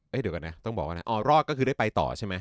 เดี๋ยวก่อนนะต้องบอกว่านะอ๋อรอดก็คือได้ไปต่อใช่ไหม